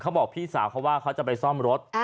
บอกพี่สาวเขาว่าเขาจะไปซ่อมรถ